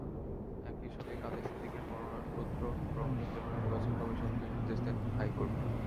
একই সঙ্গে কাদের সিদ্দিকীর মনোনয়নপত্র গ্রহণের জন্য নির্বাচন কমিশনকে নির্দেশ দেন হাইকোর্ট।